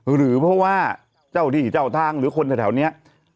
หรือเพราะว่าเจ้าที่เจ้าทางหรือคนแถวนี้